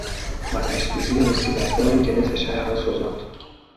آتشسوزی مصیبت باری که نصف شهر را سوزاند